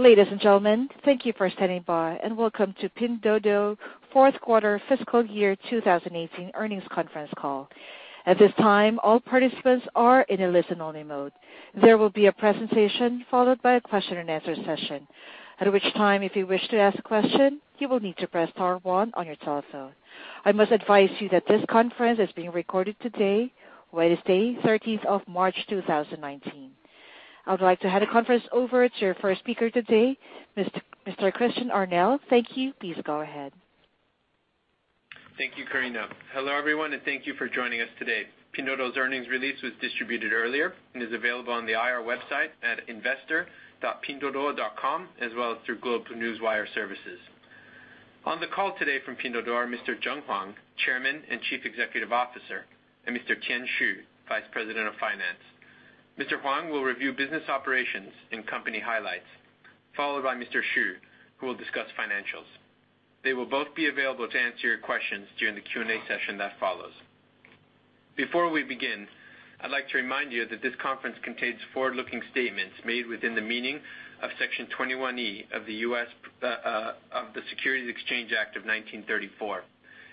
Ladies and gentlemen, thank you for standing by, and welcome to Pinduoduo fourth quarter fiscal year 2018 earnings conference call. At this time, all participants are in a listen-only mode. There will be a presentation followed by a question-and-answer session. At which time, if you wish to ask a question, you will need to press star one on your telephone. I must advise you that this conference is being recorded today, Wednesday, 30th of March 2019. I would like to hand the conference over to your first speaker today, Mr. Christian Arnell. Thank you. Please go ahead. Thank you, Karina. Hello, everyone, and thank you for joining us today. Pinduoduo's earnings release was distributed earlier and is available on the IR website at investor.pinduoduo.com, as well as through GlobeNewswire Services. On the call today from Pinduoduo are Mr. Zheng Huang, Chairman and Chief Executive Officer, and Mr. Tian Xu, Vice President of Finance. Mr. Huang will review business operations and company highlights, followed by Mr. Xu, who will discuss financials. They will both be available to answer your questions during the Q&A session that follows. Before we begin, I'd like to remind you that this conference contains forward-looking statements made within the meaning of Section 21E of the U.S. Securities Exchange Act of 1934,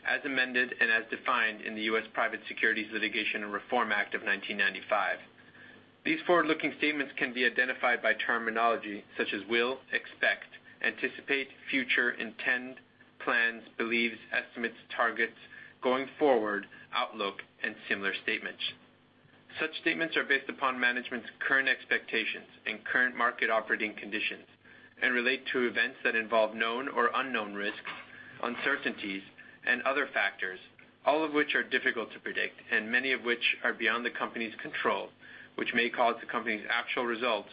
as amended and as defined in the U.S. Private Securities Litigation Reform Act of 1995. These forward-looking statements can be identified by terminology such as will, expect, anticipate, future, intend, plans, believes, estimates, targets, going forward, outlook, and similar statements. Such statements are based upon management's current expectations and current market operating conditions and relate to events that involve known or unknown risks, uncertainties, and other factors, all of which are difficult to predict, and many of which are beyond the company's control, which may cause the company's actual results,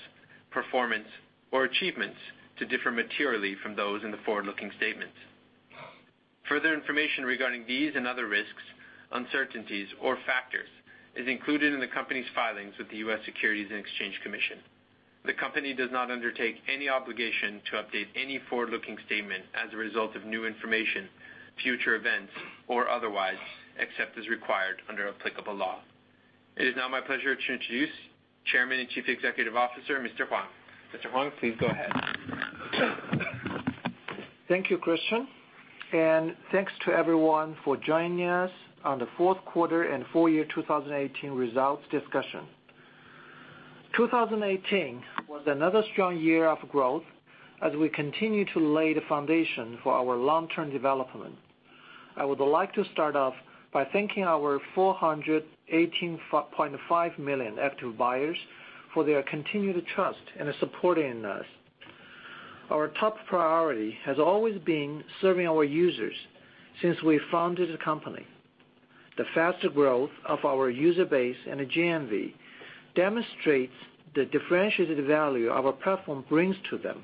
performance, or achievements to differ materially from those in the forward-looking statements. Further information regarding these and other risks, uncertainties, or factors is included in the company's filings with the U.S. Securities and Exchange Commission. The company does not undertake any obligation to update any forward-looking statement as a result of new information, future events, or otherwise, except as required under applicable law. It is now my pleasure to introduce Chairman and Chief Executive Officer, Mr. Huang. Mr. Huang, please go ahead. Thank you, Christian, and thanks to everyone for joining us on the fourth quarter and full year 2018 results discussion. 2018 was another strong year of growth as we continue to lay the foundation for our long-term development. I would like to start off by thanking our 418.5 million active buyers for their continued trust and supporting us. Our top priority has always been serving our users since we founded the company. The faster growth of our user base and the GMV demonstrates the differentiated value our platform brings to them.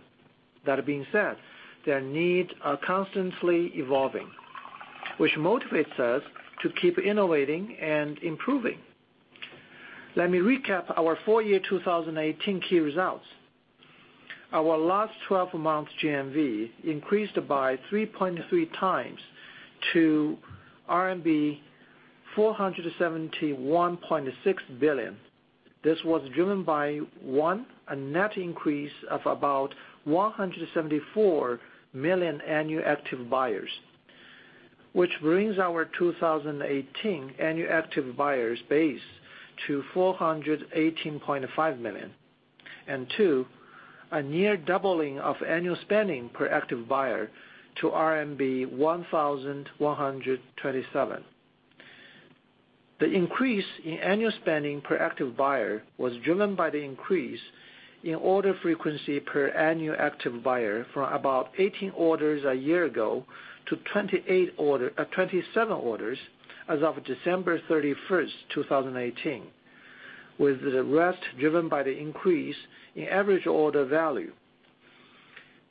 That being said, their needs are constantly evolving, which motivates us to keep innovating and improving. Let me recap our full year 2018 key results. Our last 12 months GMV increased by 3.3x to RMB 471.6 billion. This was driven by, one, a net increase of about 174 million annual active buyers, which brings our 2018 annual active buyers base to 418.5 million. Two, a near doubling of annual spending per active buyer to RMB 1,127. The increase in annual spending per active buyer was driven by the increase in order frequency per annual active buyer from about 18 orders a year ago to 27 orders as of December 31st, 2018, with the rest driven by the increase in average order value.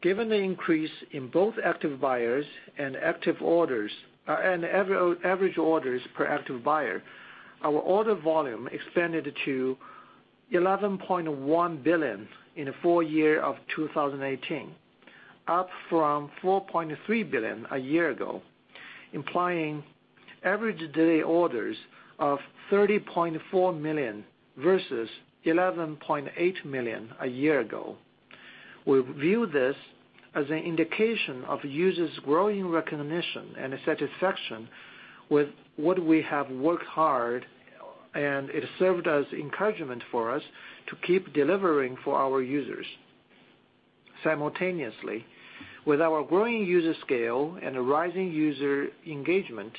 Given the increase in both active buyers and active orders, and average orders per active buyer, our order volume expanded to 11.1 billion in the full year of 2018, up from 4.3 billion a year ago, implying average daily orders of 30.4 million versus 11.8 million a year ago. We view this as an indication of users' growing recognition and satisfaction with what we have worked hard, and it served as encouragement for us to keep delivering for our users. Simultaneously, with our growing user scale and rising user engagement,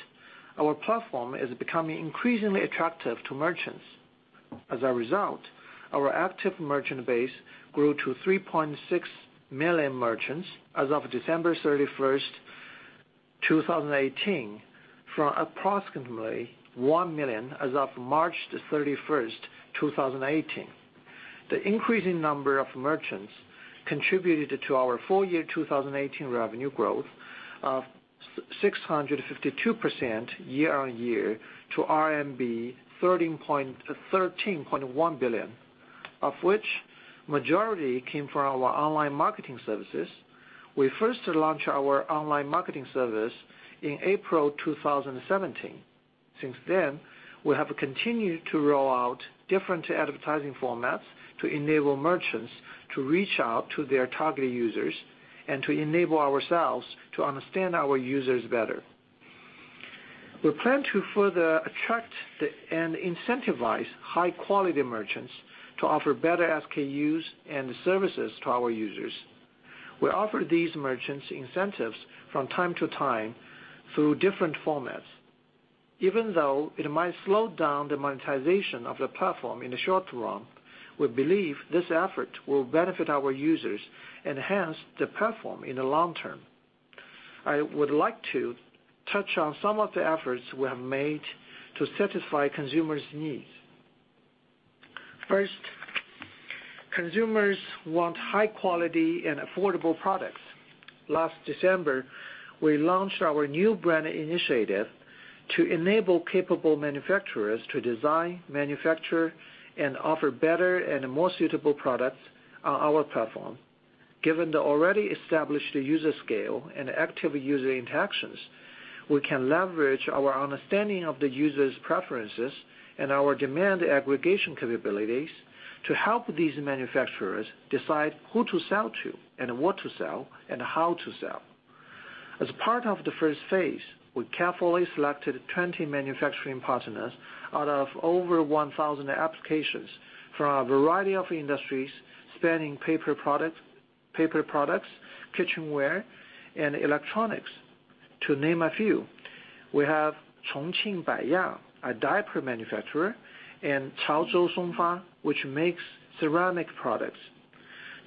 our platform is becoming increasingly attractive to merchants. As a result, our active merchant base grew to 3.6 million merchants as of December 31st, 2018, from approximately 1 million as of March 31st, 2018. The increasing number of merchants contributed to our full year 2018 revenue growth of 652% year-on-year to RMB 13.1 billion, of which majority came from our online marketing services. We first launched our online marketing service in April 2017. Since then, we have continued to roll out different advertising formats to enable merchants to reach out to their targeted users and to enable ourselves to understand our users better. We plan to further attract and incentivize high-quality merchants to offer better SKUs and services to our users. We offer these merchants incentives from time to time through different formats. Even though it might slow down the monetization of the platform in the short run, we believe this effort will benefit our users, enhance the platform in the long term. I would like to touch on some of the efforts we have made to satisfy consumers' needs. First, consumers want high quality and affordable products. Last December, we launched our New Brand Initiative to enable capable manufacturers to design, manufacture, and offer better and more suitable products on our platform. Given the already established user scale and active user interactions, we can leverage our understanding of the users' preferences and our demand aggregation capabilities to help these manufacturers decide who to sell to and what to sell and how to sell. As part of the first phase, we carefully selected 20 manufacturing partners out of over 1,000 applications from a variety of industries spanning paper products, kitchenware, and electronics, to name a few. We have Chongqing Baiya, a diaper manufacturer, and Chaozhou Songfa, which makes ceramic products.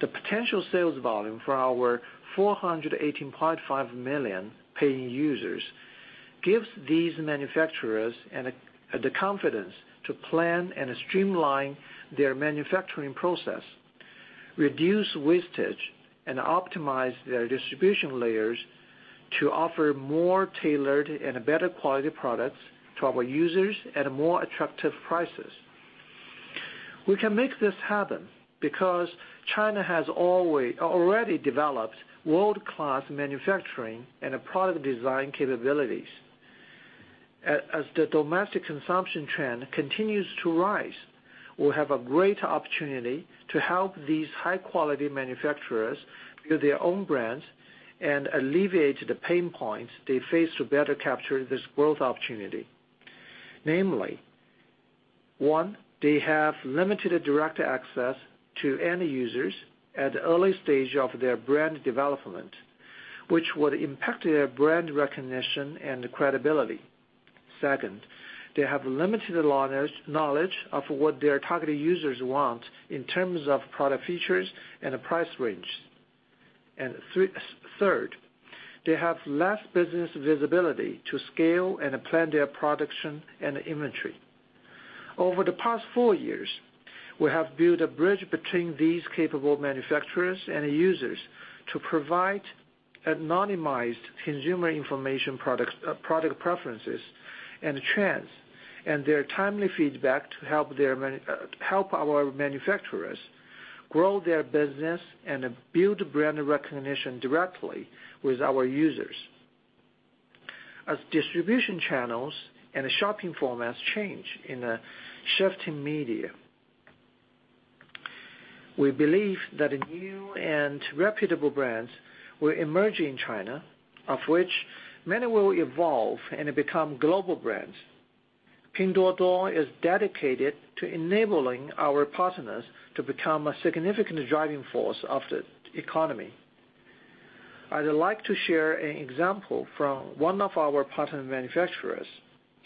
The potential sales volume for our 418.5 million paying users gives these manufacturers the confidence to plan and streamline their manufacturing process, reduce wastage, and optimize their distribution layers to offer more tailored and better quality products to our users at more attractive prices. We can make this happen because China has already developed world-class manufacturing and product design capabilities. As the domestic consumption trend continues to rise, we'll have a great opportunity to help these high-quality manufacturers build their own brands and alleviate the pain points they face to better capture this growth opportunity. Namely, one, they have limited direct access to end users at the early stage of their brand development, which would impact their brand recognition and credibility. Second, they have limited knowledge of what their targeted users want in terms of product features and price range. Third, they have less business visibility to scale and plan their production and inventory. Over the past four years, we have built a bridge between these capable manufacturers and users to provide anonymized consumer information products, product preferences and trends, and their timely feedback to help our manufacturers grow their business and build brand recognition directly with our users. As distribution channels and the shopping formats change in a shifting media, we believe that new and reputable brands will emerge in China, of which many will evolve and become global brands. Pinduoduo is dedicated to enabling our partners to become a significant driving force of the economy. I'd like to share an example from one of our partner manufacturers,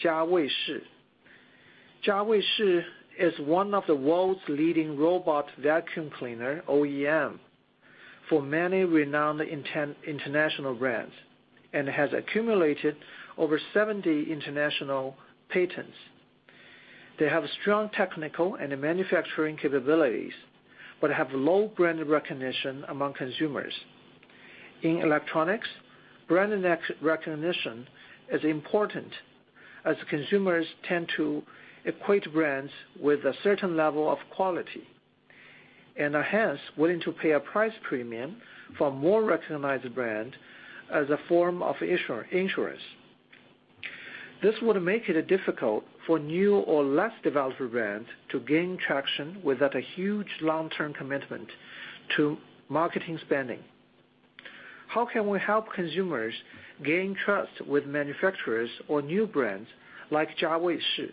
Jiaweishi. Jiaweishi is one of the world's leading robot vacuum cleaner OEM for many renowned international brands, and has accumulated over 70 international patents. They have strong technical and manufacturing capabilities, but have low brand recognition among consumers. In electronics, brand recognition is important as consumers tend to equate brands with a certain level of quality, and are hence willing to pay a price premium for a more recognized brand as a form of insurance. This would make it difficult for new or less developed brands to gain traction without a huge long-term commitment to marketing spending. How can we help consumers gain trust with manufacturers or new brands like Jiaweishi,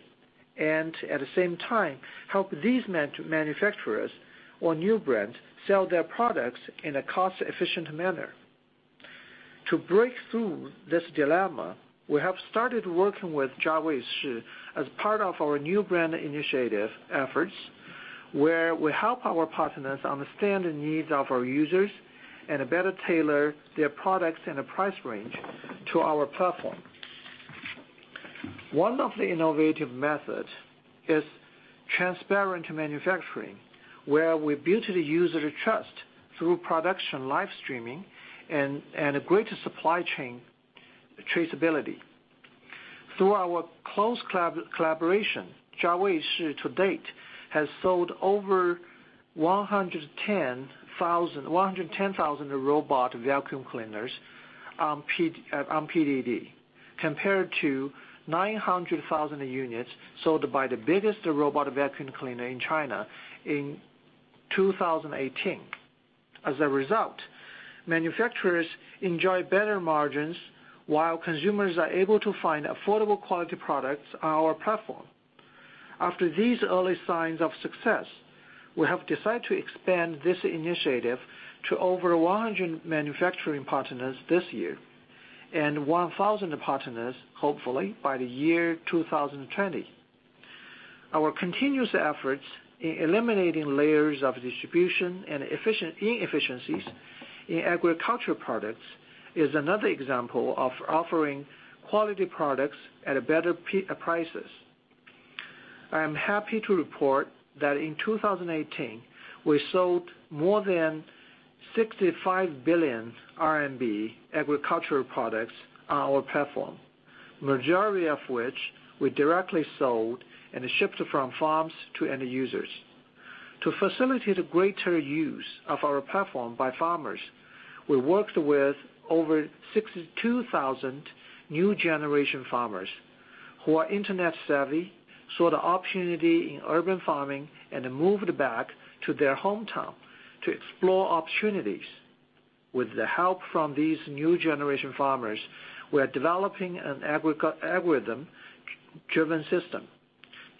and at the same time, help these manufacturers or new brands sell their products in a cost-efficient manner? To break through this dilemma, we have started working with Jiaweishi as part of our New Brand Initiative efforts, where we help our partners understand the needs of our users and better tailor their products and the price range to our platform. One of the innovative methods is transparent manufacturing, where we build the user trust through production live streaming and greater supply chain traceability. Through our close collaboration, Jiaweishi to date has sold over 110,000 robot vacuum cleaners on PDD, compared to 900,000 units sold by the biggest robot vacuum cleaner in China in 2018. As a result, manufacturers enjoy better margins while consumers are able to find affordable quality products on our platform. After these early signs of success, we have decided to expand this initiative to over 100 manufacturing partners this year, and 1,000 partners, hopefully, by the year 2020. Our continuous efforts in eliminating layers of distribution and inefficiencies in agricultural products is another example of offering quality products at better prices. I am happy to report that in 2018, we sold more than 65 billion RMB agricultural products on our platform, majority of which we directly sold and shipped from farms to end users. To facilitate a greater use of our platform by farmers, we worked with over 62,000 new generation farmers who are internet-savvy, saw the opportunity in urban farming, and moved back to their hometown to explore opportunities. With the help from these new generation farmers, we are developing an agri-algorithm-driven system,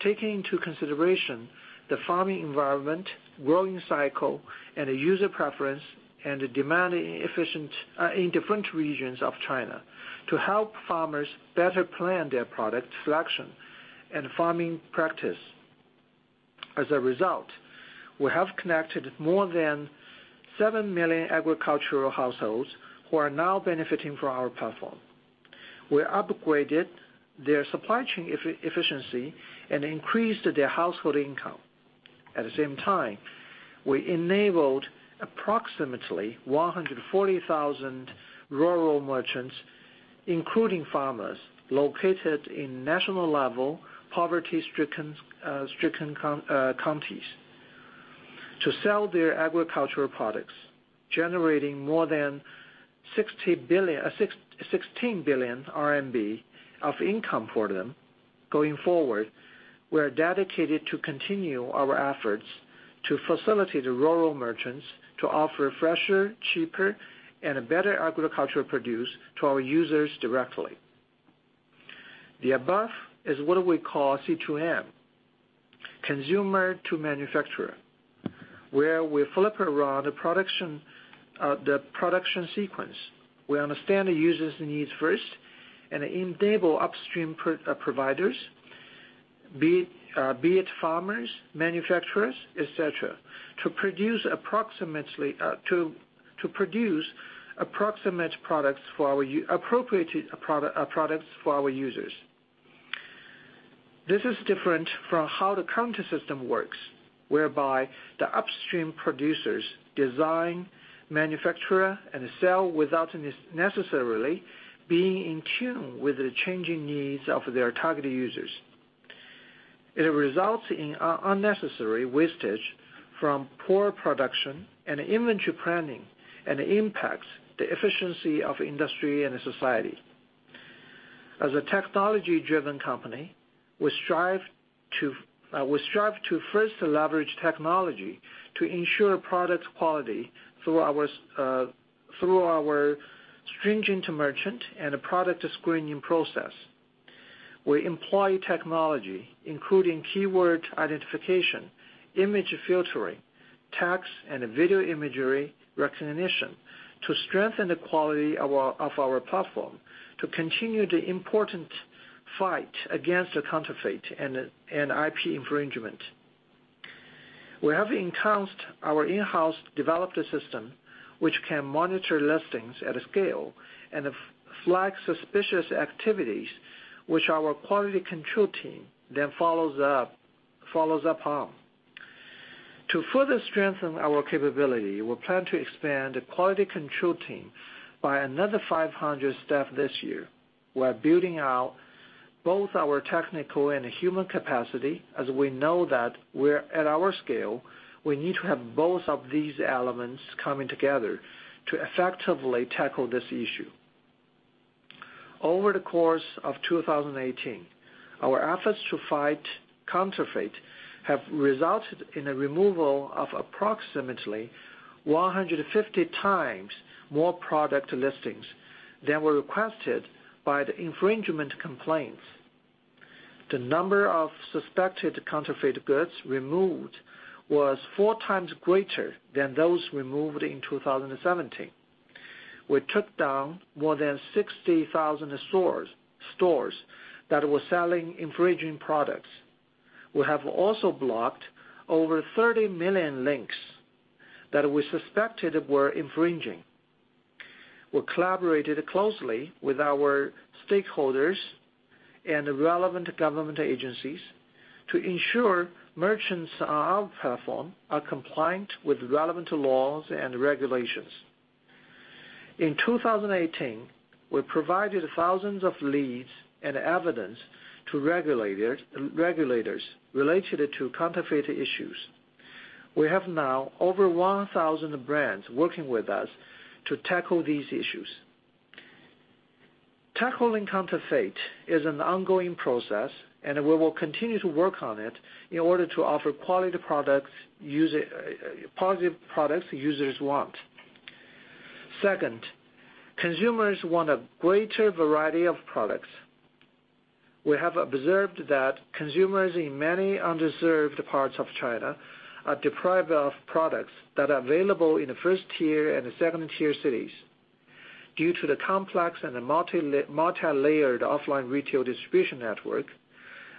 taking into consideration the farming environment, growing cycle, and the user preference, and the demand efficient in different regions of China to help farmers better plan their product selection and farming practice. As a result, we have connected more than 7 million agricultural households who are now benefiting from our platform. We upgraded their supply chain efficiency and increased their household income. At the same time, we enabled approximately 140,000 rural merchants, including farmers, located in national level poverty-stricken counties to sell their agricultural products, generating more than 16 billion RMB of income for them. Going forward, we are dedicated to continue our efforts to facilitate rural merchants to offer fresher, cheaper, and a better agricultural produce to our users directly. The above is what we call C2M, consumer to manufacturer, where we flip around the production, the production sequence. We understand the users' needs first and enable upstream providers, be it farmers, manufacturers, et cetera, to produce approximate products for our appropriate products for our users. This is different from how the current system works, whereby the upstream producers design, manufacture, and sell without necessarily being in tune with the changing needs of their targeted users. It results in unnecessary wastage from poor production and inventory planning and impacts the efficiency of industry and society. As a technology-driven company, we strive to first leverage technology to ensure product quality through our stringent merchant and product screening process. We employ technology, including keyword identification, image filtering, text and video imagery recognition to strengthen the quality of our platform to continue the important fight against the counterfeit and IP infringement. We have enhanced our in-house developed system, which can monitor listings at a scale and flag suspicious activities which our quality control team then follows up on. To further strengthen our capability, we plan to expand the quality control team by another 500 staff this year. We are building out both our technical and human capacity as we know that at our scale, we need to have both of these elements coming together to effectively tackle this issue. Over the course of 2018, our efforts to fight counterfeit have resulted in a removal of approximately 150x more product listings than were requested by the infringement complaints. The number of suspected counterfeit goods removed was 4x greater than those removed in 2017. We took down more than 60,000 stores that were selling infringing products. We have also blocked over 30 million links that we suspected were infringing. We collaborated closely with our stakeholders and relevant government agencies to ensure merchants on our platform are compliant with relevant laws and regulations. In 2018, we provided thousands of leads and evidence to regulators related to counterfeit issues. We have now over 1,000 brands working with us to tackle these issues. Tackling counterfeit is an ongoing process, and we will continue to work on it in order to offer quality positive products users want. Second, consumers want a greater variety of products. We have observed that consumers in many underserved parts of China are deprived of products that are available in the first tier and the second tier cities. Due to the complex and the multi-layered offline retail distribution network,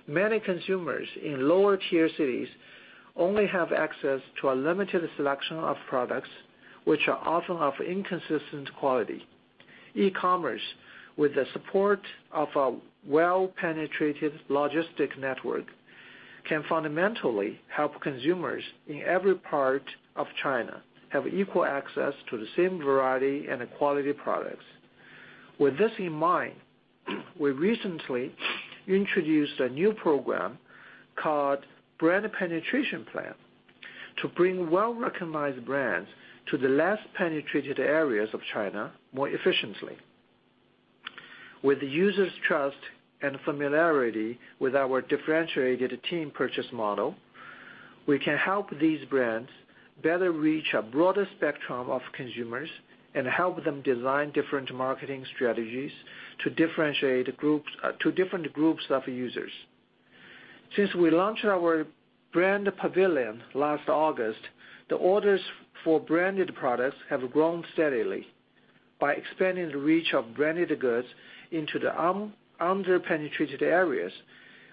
many consumers in lower tier cities only have access to a limited selection of products which are often of inconsistent quality. E-commerce, with the support of a well-penetrated logistic network, can fundamentally help consumers in every part of China have equal access to the same variety and quality products. With this in mind, we recently introduced a new program called Brand Penetration Plan to bring well-recognized brands to the less penetrated areas of China more efficiently. With the users' trust and familiarity with our differentiated team purchase model, we can help these brands better reach a broader spectrum of consumers and help them design different marketing strategies to differentiate to different groups of users. Since we launched our brand pavilion last August, the orders for branded products have grown steadily. By expanding the reach of branded goods into the under-penetrated areas,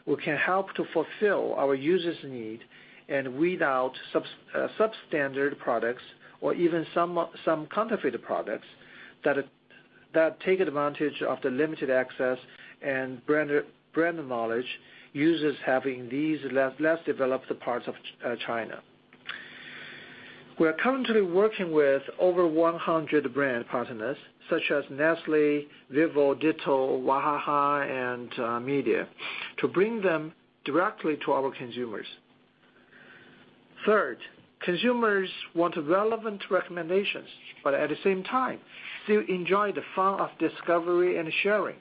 we can help to fulfill our users' need and weed out substandard products or even some counterfeited products that take advantage of the limited access and brand knowledge users having these less developed parts of China. We are currently working with over 100 brand partners, such as Nestlé, Vivo, Ditto, Wahaha, and Midea, to bring them directly to our consumers. Third, consumers want relevant recommendations, but at the same time still enjoy the fun of discovery and sharing.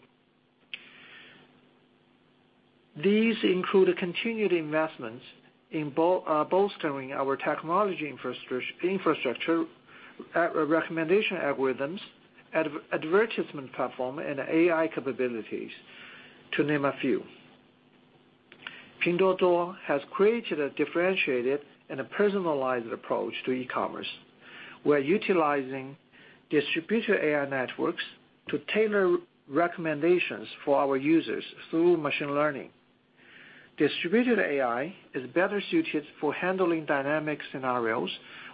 These include continued investments in bolstering our technology infrastructure, at recommendation algorithms, advertisement platform, and AI capabilities, to name a few. Pinduoduo has created a differentiated and a personalized approach to e-commerce. We're utilizing distributed AI networks to tailor recommendations for our users through machine learning. Distributed AI is better suited for handling dynamic scenarios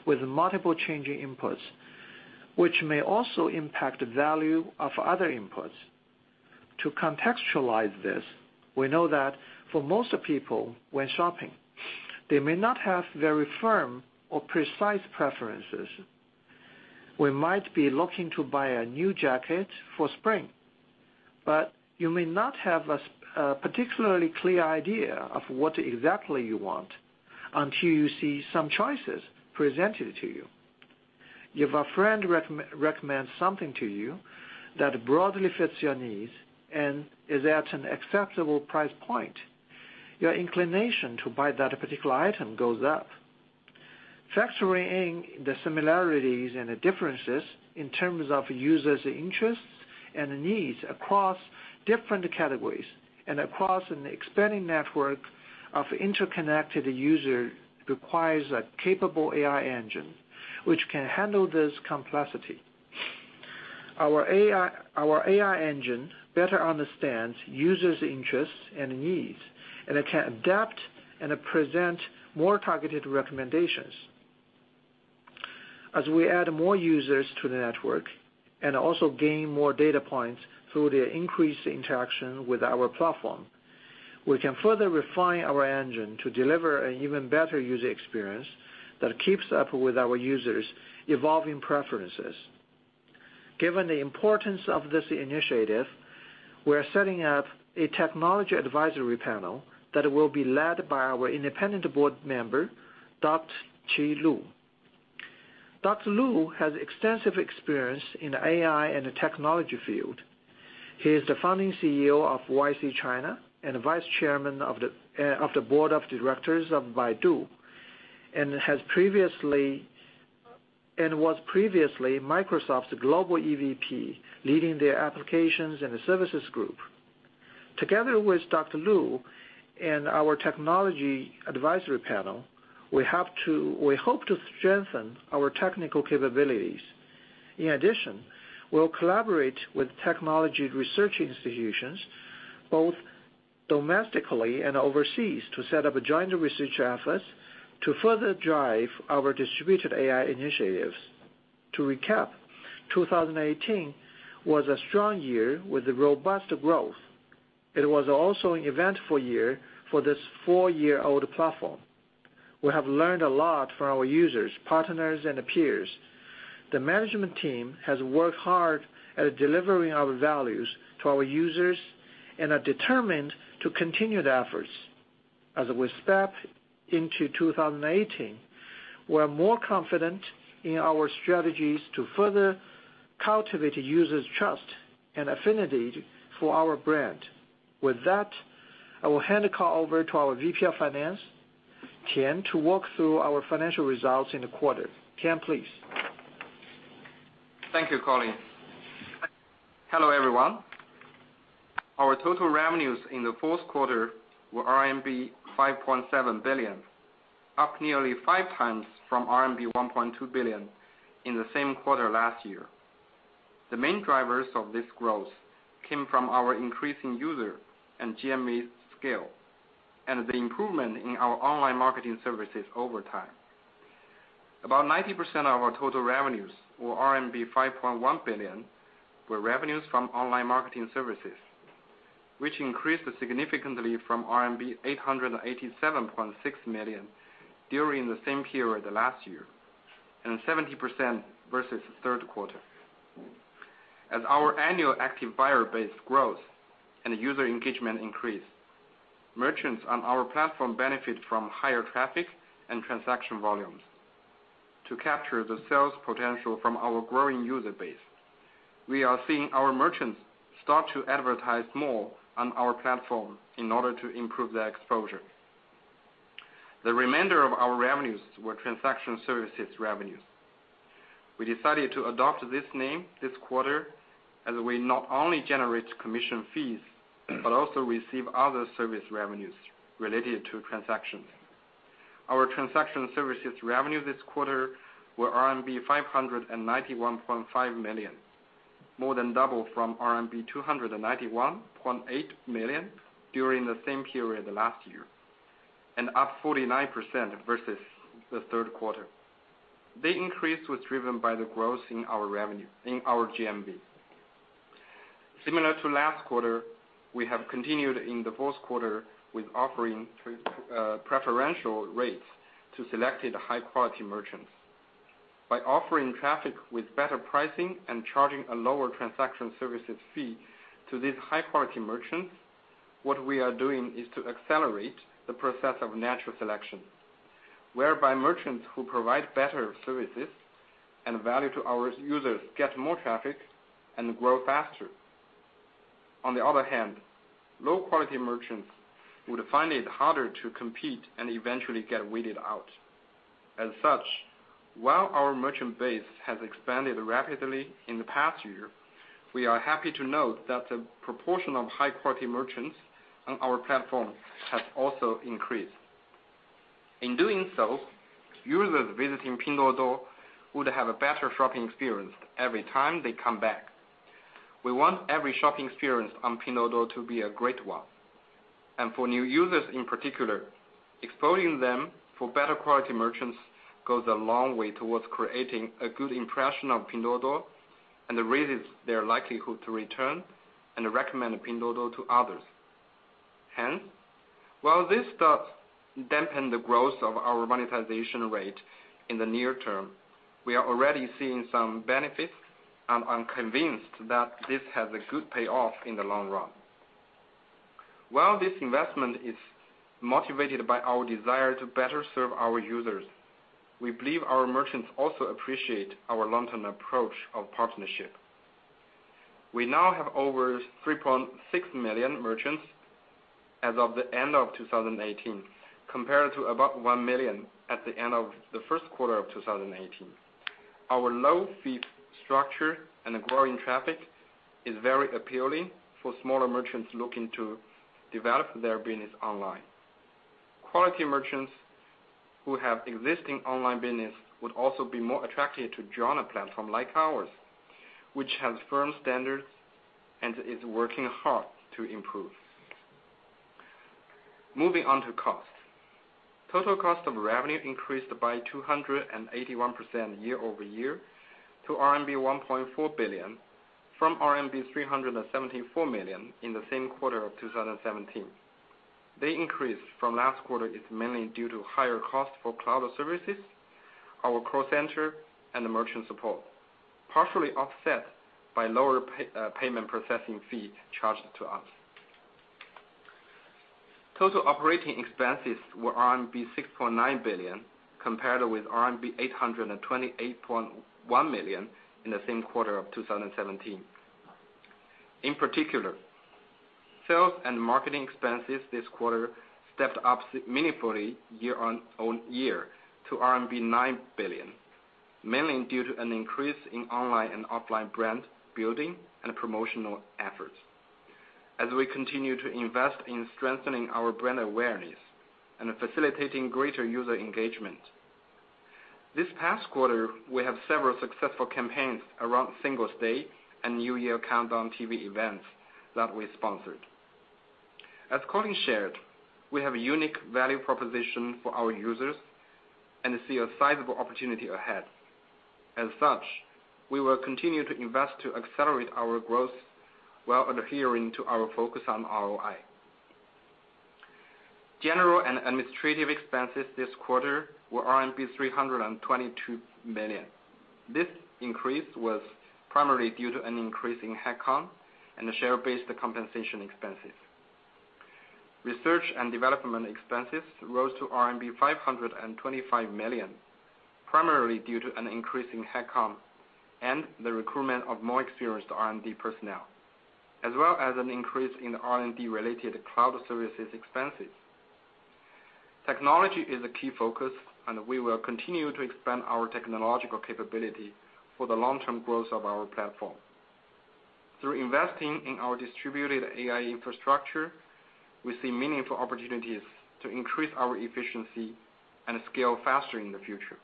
with multiple changing inputs, which may also impact the value of other inputs. To contextualize this, we know that for most people when shopping, they may not have very firm or precise preferences. We might be looking to buy a new jacket for spring, but you may not have a particularly clear idea of what exactly you want until you see some choices presented to you. If a friend recommends something to you that broadly fits your needs and is at an acceptable price point, your inclination to buy that particular item goes up. Factoring the similarities and the differences in terms of users' interests and needs across different categories and across an expanding network of interconnected user requires a capable AI engine which can handle this complexity. Our AI engine better understands users' interests and needs, and it can adapt and present more targeted recommendations. As we add more users to the network and also gain more data points through their increased interaction with our platform, we can further refine our engine to deliver an even better user experience that keeps up with our users' evolving preferences. Given the importance of this initiative, we're setting up a technology advisory panel that will be led by our independent board member, Dr. Qi Lu. Dr. Lu has extensive experience in the AI and the technology field. He is the founding CEO of YC China and Vice Chairman of the Board of Directors of Baidu, and was previously Microsoft's Global EVP, leading their applications and services group. Together with Dr. Lu and our technology advisory panel, we hope to strengthen our technical capabilities. In addition, we'll collaborate with technology research institutions, both domestically and overseas, to set up joint research efforts to further drive our distributed AI initiatives. To recap, 2018 was a strong year with robust growth. It was also an eventful year for this four-year-old platform. We have learned a lot from our users, partners, and the peers. The management team has worked hard at delivering our values to our users and are determined to continue the efforts. As we step into 2018, we're more confident in our strategies to further cultivate users' trust and affinity for our brand. With that, I will hand the call over to our VP of Finance, Tian, to walk through our financial results in the quarter. Tian, please. Thank you, Colin. Hello, everyone. Our total revenues in the fourth quarter were RMB 5.7 billion, up nearly 5x from RMB 1.2 billion in the same quarter last year. The main drivers of this growth came from our increasing user and GMV scale and the improvement in our online marketing services over time. About 90% of our total revenues, or RMB 5.1 billion, were revenues from online marketing services, which increased significantly from RMB 887.6 million during the same period last year, and 70% versus third quarter. As our annual active buyer base grows and user engagement increase, merchants on our platform benefit from higher traffic and transaction volumes. To capture the sales potential from our growing user base, we are seeing our merchants start to advertise more on our platform in order to improve their exposure. The remainder of our revenues were transaction services revenues. We decided to adopt this name this quarter as we not only generate commission fees, but also receive other service revenues related to transactions. Our transaction services revenue this quarter were RMB 591.5 million, more than double from RMB 291.8 million during the same period last year, and up 49% versus the third quarter. The increase was driven by the growth in our GMV. Similar to last quarter, we have continued in the fourth quarter with offering preferential rates to selected high-quality merchants. By offering traffic with better pricing and charging a lower transaction services fee to these high-quality merchants, what we are doing is to accelerate the process of natural selection, whereby merchants who provide better services and value to our users get more traffic and grow faster. On the other hand, low-quality merchants would find it harder to compete and eventually get weeded out. As such, while our merchant base has expanded rapidly in the past year, we are happy to note that the proportion of high-quality merchants on our platform has also increased. In doing so, users visiting Pinduoduo would have a better shopping experience every time they come back. We want every shopping experience on Pinduoduo to be a great one. For new users in particular, exposing them for better quality merchants goes a long way towards creating a good impression of Pinduoduo and raises their likelihood to return and recommend Pinduoduo to others. Hence, while this does dampen the growth of our monetization rate in the near term, we are already seeing some benefits, and I'm convinced that this has a good payoff in the long run. While this investment is motivated by our desire to better serve our users, we believe our merchants also appreciate our long-term approach of partnership. We now have over 3.6 million merchants as of the end of 2018, compared to about 1 million at the end of the first quarter of 2018. Our low fee structure and growing traffic is very appealing for smaller merchants looking to develop their business online. Quality merchants who have existing online business would also be more attracted to join a platform like ours, which has firm standards and is working hard to improve. Moving on to cost. Total cost of revenue increased by 281% year-over-year to RMB 1.4 billion from RMB 374 million in the same quarter of 2017. The increase from last quarter is mainly due to higher cost for cloud services, our call center, and the merchant support, partially offset by lower payment processing fee charged to us. Total operating expenses were RMB 6.9 billion, compared with RMB 828.1 million in the same quarter of 2017. In particular, sales and marketing expenses this quarter stepped up significantly year-on-year to RMB 9 billion, mainly due to an increase in online and offline brand building and promotional efforts as we continue to invest in strengthening our brand awareness and facilitating greater user engagement. This past quarter, we have several successful campaigns around Singles' Day and New Year Countdown TV events that we sponsored. As Colin shared, we have a unique value proposition for our users and see a sizable opportunity ahead. As such, we will continue to invest to accelerate our growth while adhering to our focus on ROI. General and administrative expenses this quarter were RMB 322 million. This increase was primarily due to an increase in head count and the share-based compensation expenses. Research and development expenses rose to RMB 525 million, primarily due to an increase in headcount and the recruitment of more experienced R&D personnel, as well as an increase in R&D-related cloud services expenses. Technology is a key focus, we will continue to expand our technological capability for the long-term growth of our platform. Through investing in our distributed AI infrastructure, we see meaningful opportunities to increase our efficiency and scale faster in the future.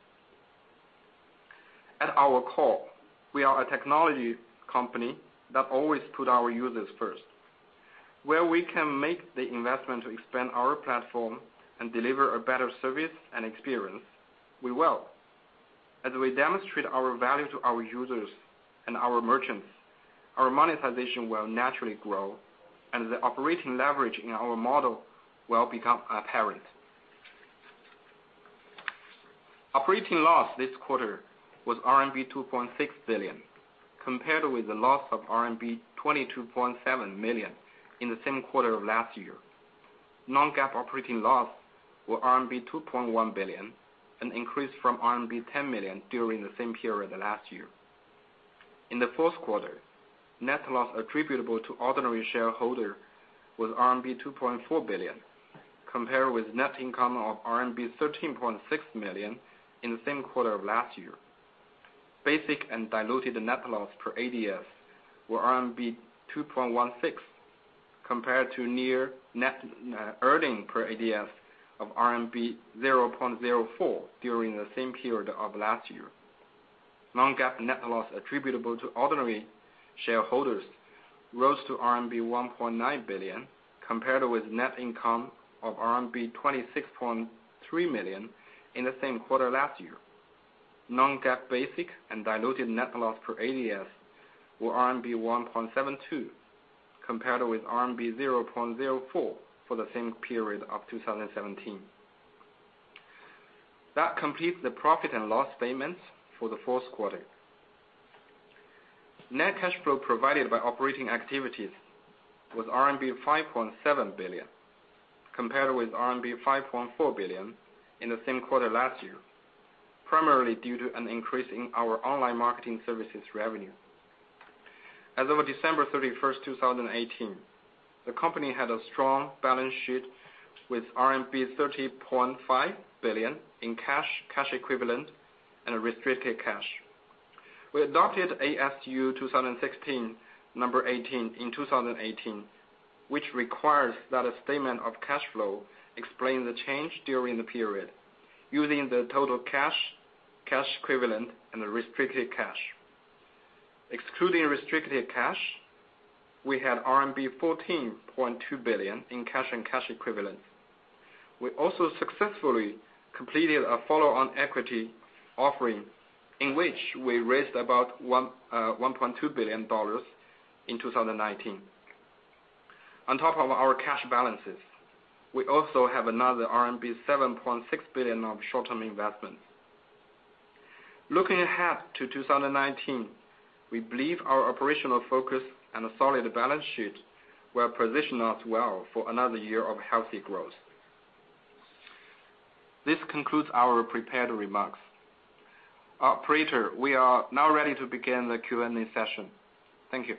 At our core, we are a technology company that always put our users first. Where we can make the investment to expand our platform and deliver a better service and experience, we will. As we demonstrate our value to our users and our merchants, our monetization will naturally grow, the operating leverage in our model will become apparent. Operating loss this quarter was RMB 2.6 billion compared with a loss of RMB 22.7 million in the same quarter of last year. Non-GAAP operating loss were RMB 2.1 billion, an increase from RMB 10 million during the same period last year. In the fourth quarter, net loss attributable to ordinary shareholder was RMB 2.4 billion compared with net income of RMB 13.6 million in the same quarter of last year. Basic and diluted net loss per ADS were RMB 2.16 compared to near net earning per ADS of RMB 0.04 during the same period of last year. Non-GAAP net loss attributable to ordinary shareholders rose to RMB 1.9 billion compared with net income of RMB 26.3 million in the same quarter last year. Non-GAAP basic and diluted net loss per ADS were RMB 1.72 compared with RMB 0.04 for the same period of 2017. That completes the profit and loss statements for the fourth quarter. Net cash flow provided by operating activities was RMB 5.7 billion compared with RMB 5.4 billion in the same quarter last year, primarily due to an increase in our online marketing services revenue. As of December 31st, 2018, the company had a strong balance sheet with RMB 30.5 billion in cash equivalent and restricted cash. We adopted ASU 2016-18 in 2018, which requires that a statement of cash flow explain the change during the period using the total cash equivalent and restricted cash. Excluding restricted cash, we had RMB 14.2 billion in cash and cash equivalents. We also successfully completed a follow-on equity offering, in which we raised about $1.2 billion in 2019. On top of our cash balances, we also have another RMB 7.6 billion of short-term investments. Looking ahead to 2019, we believe our operational focus and a solid balance sheet will position us well for another year of healthy growth. This concludes our prepared remarks. Operator, we are now ready to begin the Q&A session. Thank you.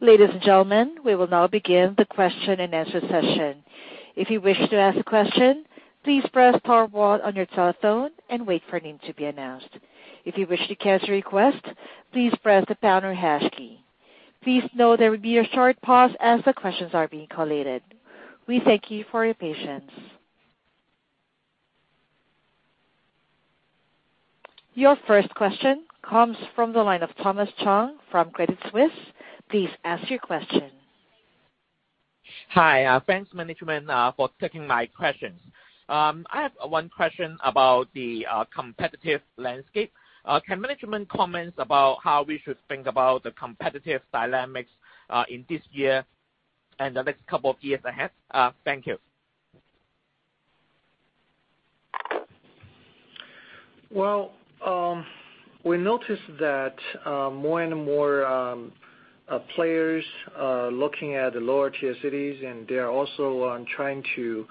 Ladies and gentlemen, we will now begin the question-and-answer session. If you wish to ask a question, please press star one on your telephone and wait for your name to be announced. If you wish to cancel your request, please press the pound or hash key. Please note there will be a short pause as the questions are being collated. We thank you for your patience. Your first question comes from the line of Thomas Chong from Credit Suisse. Please ask your question. Hi, thanks management for taking my questions. I have one question about the competitive landscape. Can management comment about how we should think about the competitive dynamics in this year and the next couple of years ahead? Thank you. We noticed that more and more players are looking at the lower tier cities, they are also on trying to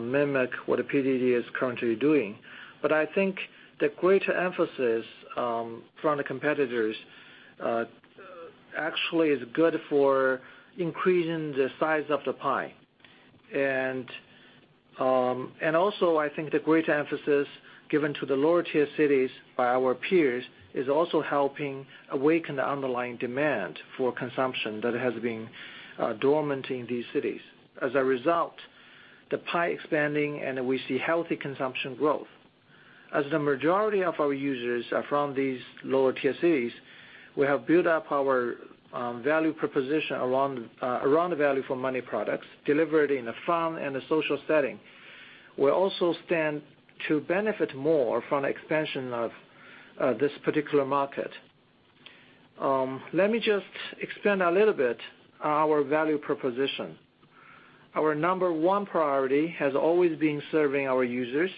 mimic what PDD is currently doing. I think the greater emphasis from the competitors actually is good for increasing the size of the pie. I think the great emphasis given to the lower tier cities by our peers is also helping awaken the underlying demand for consumption that has been dormant in these cities. As a result, the pie expanding and we see healthy consumption growth. As the majority of our users are from these lower tier cities, we have built up our value proposition around around the value for money products delivered in a fun and a social setting. We also stand to benefit more from the expansion of this particular market. Let me just expand a little bit on our value proposition. Our number one priority has always been serving our users,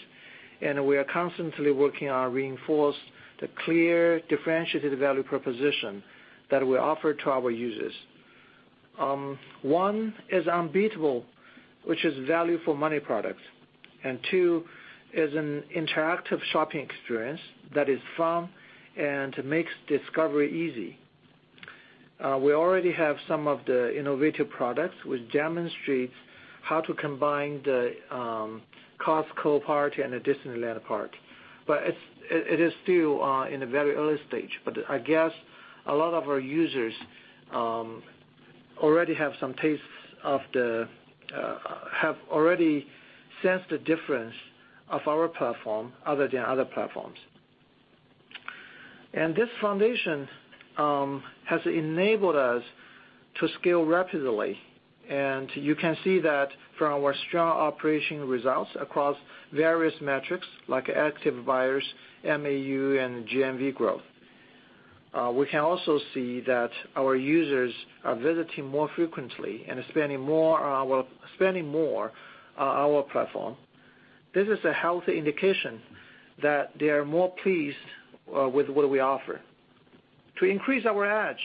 and we are constantly working on reinforce the clear differentiated value proposition that we offer to our users. One is unbeatable, which is value for money products. Two is an interactive shopping experience that is fun and makes discovery easy. We already have some of the innovative products which demonstrates how to combine the Costco part and a Disneyland part. It is still in the very early stage. I guess a lot of our users already have some taste of the have already sensed the difference of our platform other than other platforms. This foundation has enabled us to scale rapidly, and you can see that from our strong operational results across various metrics like active buyers, MAU, and GMV growth. We can also see that our users are visiting more frequently and are spending more on our platform. This is a healthy indication that they are more pleased with what we offer. To increase our edge,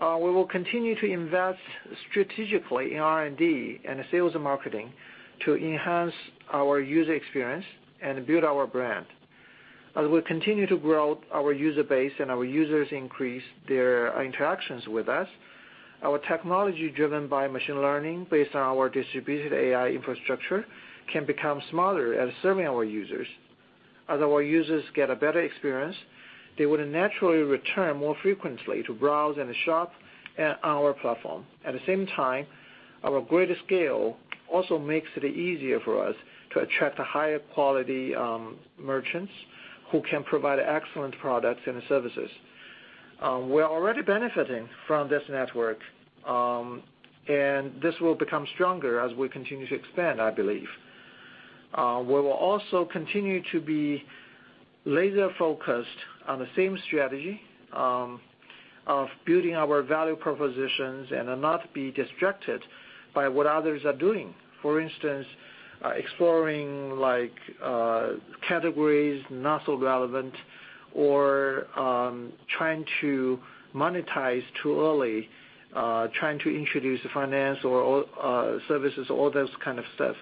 we will continue to invest strategically in R&D and sales and marketing to enhance our user experience and build our brand. As we continue to grow our user base and our users increase their interactions with us, our technology driven by machine learning based on our distributed AI infrastructure can become smarter at serving our users. As our users get a better experience, they would naturally return more frequently to browse and shop in our platform. At the same time, our greater scale also makes it easier for us to attract higher quality, merchants who can provide excellent products and services. We are already benefiting from this network, and this will become stronger as we continue to expand, I believe. We will also continue to be laser-focused on the same strategy, of building our value propositions and not be distracted by what others are doing. For instance, exploring like, categories not so relevant or, trying to monetize too early, trying to introduce finance or, services, all those kind of stuff.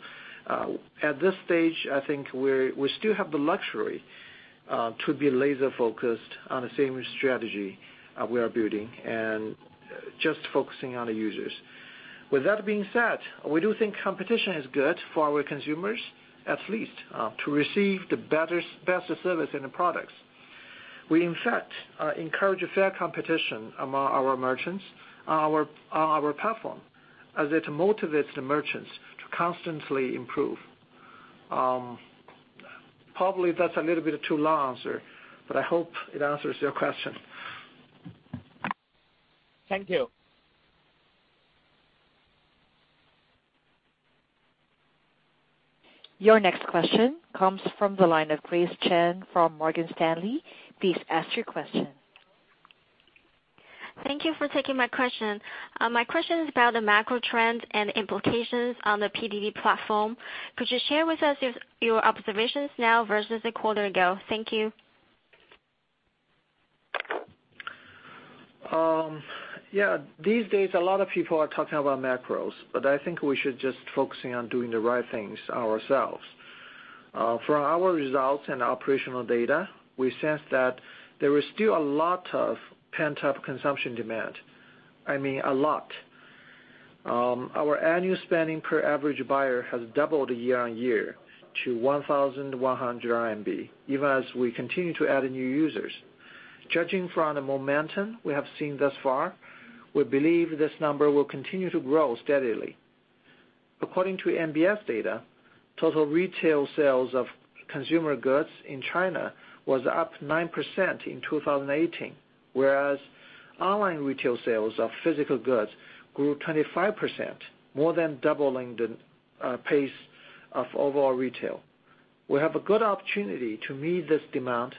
At this stage, I think we still have the luxury to be laser-focused on the same strategy we are building and just focusing on the users. With that being said, we do think competition is good for our consumers, at least, to receive the best service and products. We in fact, encourage fair competition among our merchants on our platform, as it motivates the merchants to constantly improve. Probably that's a little bit too long answer, but I hope it answers your question. Thank you. Your next question comes from the line of Grace Chen from Morgan Stanley. Please ask your question. Thank you for taking my question. My question is about the macro trends and implications on the PDD platform. Could you share with us your observations now versus a quarter ago? Thank you. These days a lot of people are talking about macros, I think we should just focusing on doing the right things ourselves. From our results and operational data, we sense that there is still a lot of pent-up consumption demand. I mean, a lot. Our annual spending per average buyer has doubled year-on-year to 1,100 RMB, even as we continue to add new users. Judging from the momentum we have seen thus far, we believe this number will continue to grow steadily. According to NBS data, total retail sales of consumer goods in China was up 9% in 2018, whereas online retail sales of physical goods grew 25%, more than doubling the pace of overall retail. We have a good opportunity to meet this demand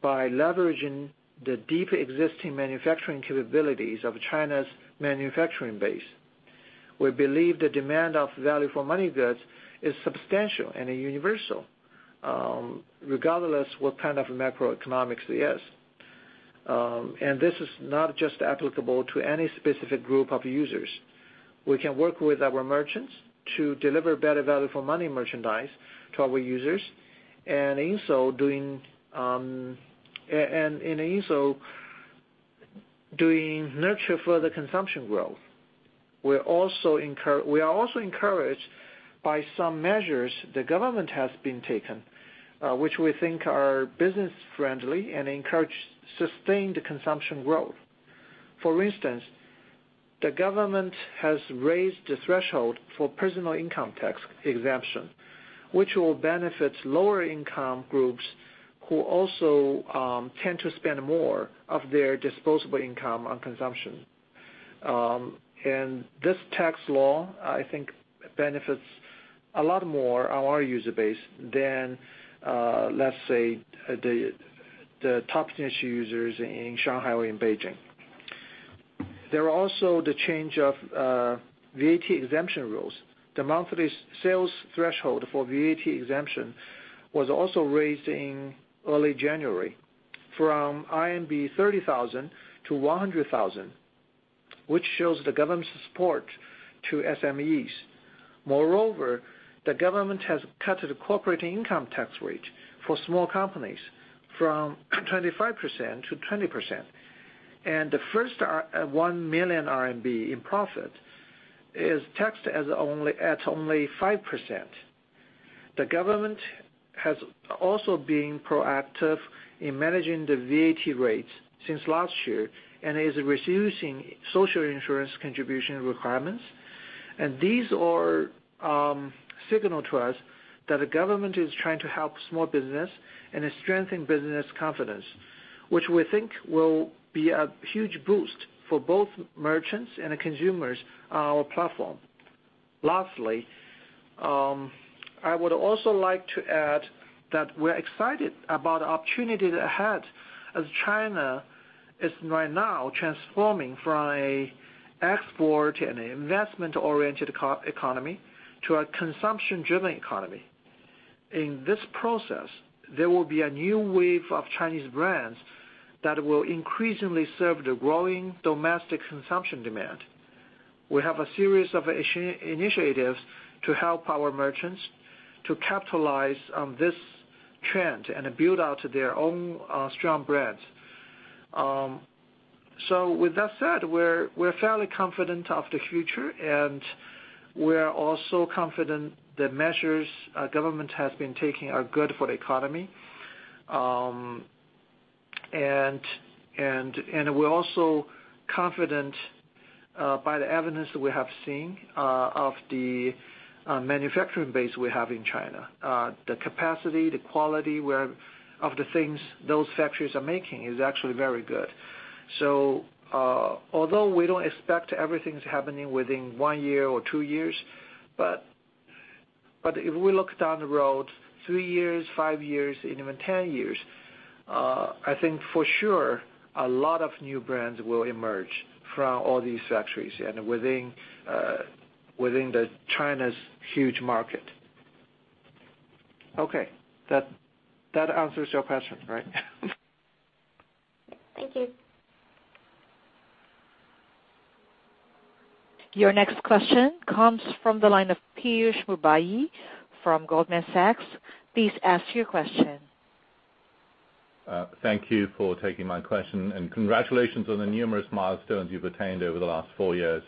by leveraging the deep existing manufacturing capabilities of China's manufacturing base. We believe the demand of value for money goods is substantial and universal, regardless what kind of macroeconomics it is. This is not just applicable to any specific group of users. We can work with our merchants to deliver better value for money merchandise to our users, and in so doing nurture further consumption growth. We are also encouraged by some measures the government has been taken, which we think are business friendly and encourage sustained consumption growth. For instance, the government has raised the threshold for personal income tax exemption, which will benefit lower income groups who also tend to spend more of their disposable income on consumption. This tax law, I think benefits a lot more our user base than, let's say, the top tier users in Shanghai and Beijing. There are also the change of VAT exemption rules. The monthly sales threshold for VAT exemption was also raised in early January from RMB 30,000 to 100,000, which shows the government's support to SMEs. Moreover, the government has cut the corporate income tax rate for small companies from 25% to 20%. The first 1 million RMB in profit is taxed at only 5%. The government has also been proactive in managing the VAT rates since last year and is reducing social insurance contribution requirements. These are signal to us that the government is trying to help small business and to strengthen business confidence, which we think will be a huge boost for both merchants and the consumers on our platform. Lastly, I would also like to add that we're excited about the opportunity ahead as China is right now transforming from an export and investment-oriented economy to a consumption-driven economy. In this process, there will be a new wave of Chinese brands that will increasingly serve the growing domestic consumption demand. We have a series of initiatives to help our merchants to capitalize on this trend and build out their own strong brands. With that said, we're fairly confident of the future, we're also confident the measures our government has been taking are good for the economy. We're also confident by the evidence that we have seen of the manufacturing base we have in China. The capacity, the quality where of the things those factories are making is actually very good. Although we don't expect everything's happening within one year or two years, but if we look down the road three years, five years, even 10 years, I think for sure a lot of new brands will emerge from all these factories and within the China's huge market. That answers your question, right? Thank you. Your next question comes from the line of Piyush Mubayi from Goldman Sachs. Please ask your question. Thank you for taking my question, and congratulations on the numerous milestones you've attained over the last four years.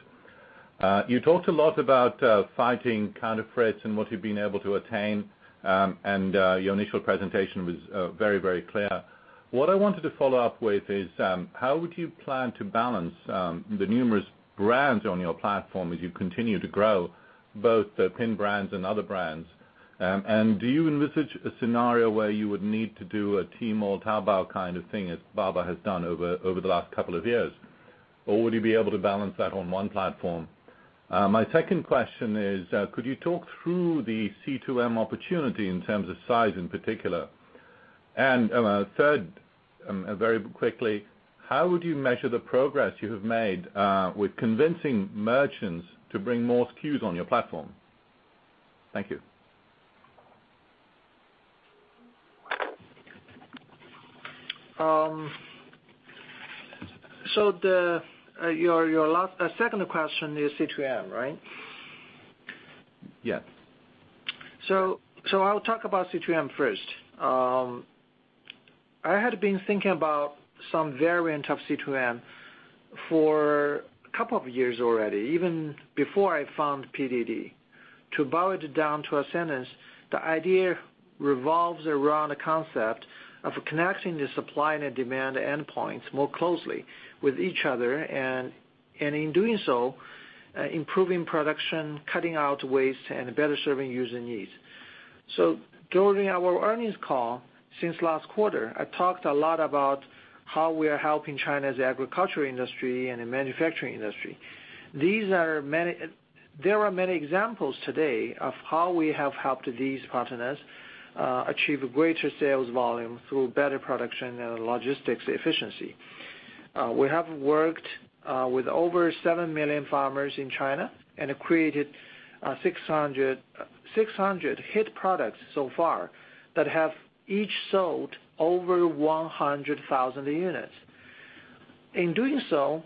You talked a lot about fighting counterfeits and what you've been able to attain, and your initial presentation was very, very clear. What I wanted to follow up with is, how would you plan to balance the numerous brands on your platform as you continue to grow, both the pin brands and other brands? Do you envisage a scenario where you would need to do a Tmall, Taobao kind of thing as Alibaba has done over the last couple of years? Or would you be able to balance that on one platform? My second question is, could you talk through the C2M opportunity in terms of size in particular? Third, very quickly, how would you measure the progress you have made with convincing merchants to bring more SKUs on your platform? Thank you. Your second question is C2M, right? Yeah. I'll talk about C2M first. I had been thinking about some variant of C2M for couple of years already, even before I found PDD. To boil it down to a sentence, the idea revolves around the concept of connecting the supply and demand endpoints more closely with each other, and in doing so, improving production, cutting out waste, and better serving user needs. During our earnings call since last quarter, I talked a lot about how we are helping China's agriculture industry and the manufacturing industry. There are many examples today of how we have helped these partners achieve greater sales volume through better production and logistics efficiency. We have worked with over 7 million farmers in China and have created 600 hit products so far that have each sold over 100,000 units. In doing so,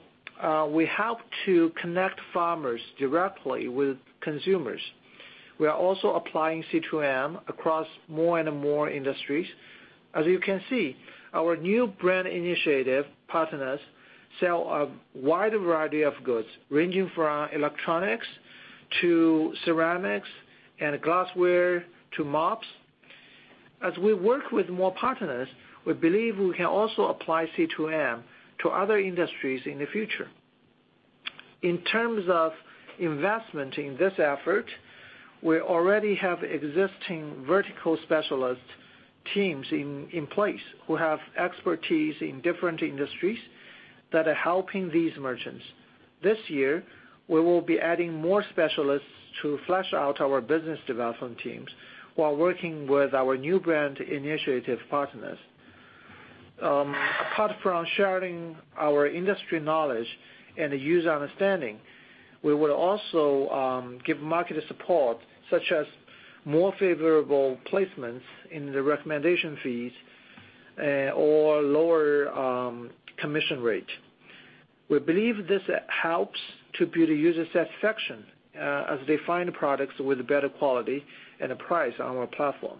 we help to connect farmers directly with consumers. We are also applying C2M across more and more industries. As you can see, our New Brand Initiative partners sell a wide variety of goods, ranging from electronics to ceramics and glassware to mops. As we work with more partners, we believe we can also apply C2M to other industries in the future. In terms of investment in this effort, we already have existing vertical specialists-teams in place who have expertise in different industries that are helping these merchants. This year, we will be adding more specialists to flesh out our business development teams while working with our New Brand Initiative partners. Apart from sharing our industry knowledge and the user understanding, we will also give marketer support such as more favorable placements in the recommendation feeds, or lower commission rate. We believe this helps to build user satisfaction, as they find products with better quality and a price on our platform.